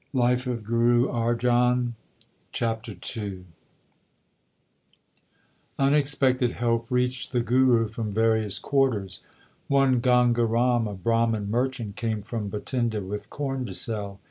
LIFE OF GURU ARJAN CHAPTER II Unexpected help reached the Guru from various quarters. One Ganga Ram, a Brahman merchant, came from Bhatinda with corn to sell.